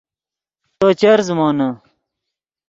تو چر زخمے